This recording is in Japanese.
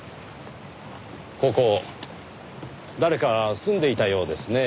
ここ誰か住んでいたようですねぇ。